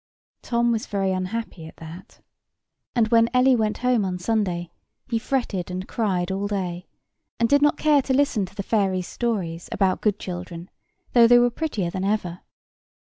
Tom was very unhappy at that. And, when Ellie went home on Sunday, he fretted and cried all day, and did not care to listen to the fairy's stories about good children, though they were prettier than ever.